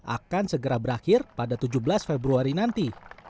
akan segera berakhir pada tujuh belas februari nanti